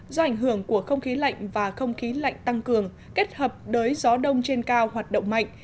do ảnh hưởng của không khí lạnh và không khí lạnh tăng cường kết hợp đới gió đông trên cao hoạt động mạnh